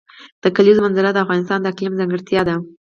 د کلیزو منظره د افغانستان د اقلیم ځانګړتیا ده.